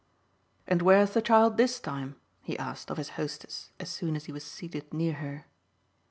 "And where's the child this time?" he asked of his hostess as soon as he was seated near her.